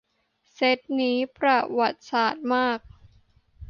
เซตนี้ ประวัติศาสตร์มาก